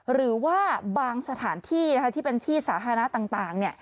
หรือว่าบางสถานที่ที่เป็นที่สาธารณะต่าง